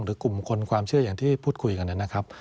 หรือกลุ่มคนความเชื่ออย่างที่พูดคุยกันนะครับ